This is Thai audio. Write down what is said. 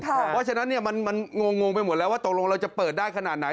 เพราะฉะนั้นมันงงไปหมดแล้วว่าตกลงเราจะเปิดได้ขนาดไหน